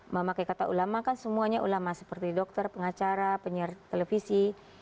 memakai kata ulama kan semuanya ulama seperti dokter pengacara penyiar televisi